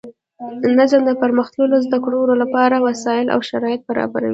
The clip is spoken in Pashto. نظام د پرمختللو زده کړو له پاره وسائل او شرایط برابروي.